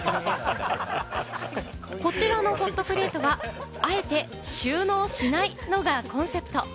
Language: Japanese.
こちらのホットプレートはあえて収納しないのがコンセプト。